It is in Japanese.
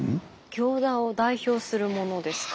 行田を代表するものですか？